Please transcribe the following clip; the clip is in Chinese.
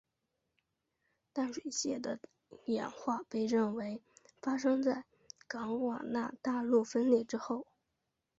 淡水蟹的演化被认为发生在冈瓦纳大陆分裂之后。